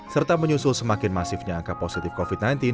serta menyusul semakin masifnya angka positif covid sembilan belas